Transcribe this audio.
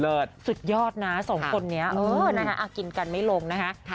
สุดยอดนะสองคนนี้เออนะคะกินกันไม่ลงนะคะ